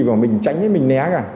mà mình tránh mình né cả